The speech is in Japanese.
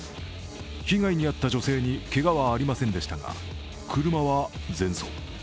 被害に遭った女性にけがはありませんでしたが、車は全損。